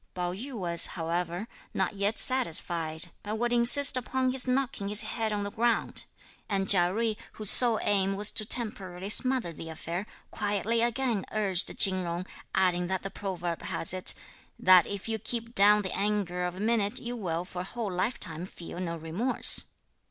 Pao yü was, however, not yet satisfied, but would insist upon his knocking his head on the ground, and Chia Jui, whose sole aim was to temporarily smother the affair, quietly again urged Chin Jung, adding that the proverb has it: "That if you keep down the anger of a minute, you will for a whole life time feel no remorse."